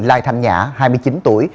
lai thành nhã hai mươi chín tuổi